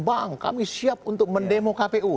bang kami siap untuk mendemo kpu